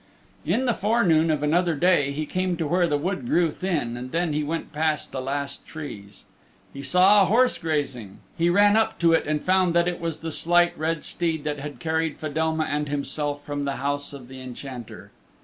In the forenoon of another day he came to where the wood grew thin and then he went past the last trees. He saw a horse grazing: he ran up to it and found that it was the Slight Red Steed that had carried Fedelma and himself from the house of the Enchanter.